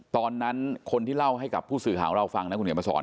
ตอนนั้นคนที่เล่าให้กับผู้สื่อข่าวของเราฟังนะคุณเหนียวมาสอน